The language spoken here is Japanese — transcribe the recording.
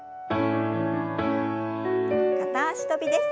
片脚跳びです。